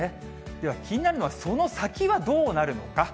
では、気になるのはその先はどうなるのか。